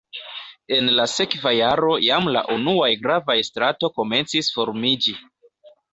En la sekva jaro jam la unuaj gravaj stratoj komencis formiĝi.